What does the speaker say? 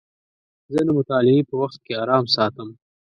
زه د مطالعې په وخت کې ارام ساتم.